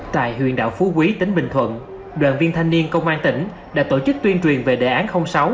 tại huyện đảo phú quý tỉnh bình thuận đoàn viên thanh niên công an tỉnh đã tổ chức tuyên truyền về đề án sáu